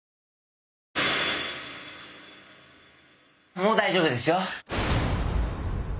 「もう大丈夫ですよ」